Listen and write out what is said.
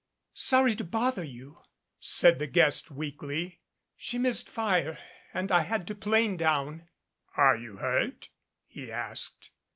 "Sorry to bother you," said the guest weakly. "She missed fire and I had to 'plane' down." "Are you hurt ?" he asked.